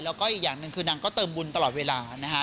แล้วก็อีกอย่างหนึ่งคือนางก็เติมบุญตลอดเวลานะคะ